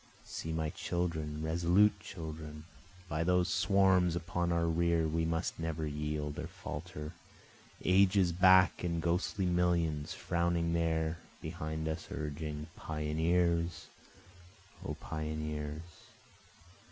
See my children, resolute children, By those swarms upon our rear we must never yield or falter, Ages back in ghostly millions frowning there behind us urging, Pioneers! O pioneers!